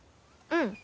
うん。